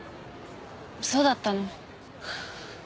そうだったの。